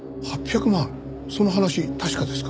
その話確かですか？